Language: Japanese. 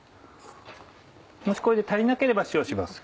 もしこれで足りなければ塩をします。